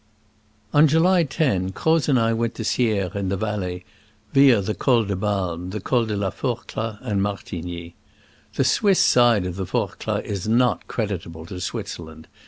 ON July lo, Croz and I went to Sierre, in the Valais, via the Col de Balme, the Col de la Forclaz and Martigny. The Swiss side of the Forclaz is not creditable to Switzerland.